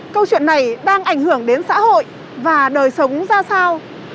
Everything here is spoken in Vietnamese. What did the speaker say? câu chuyện này đang ảnh hưởng đến xã hội và đời sống ra sao